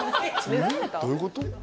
どういうこと？